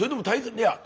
いや。